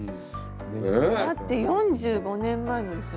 だって４５年前のですよね。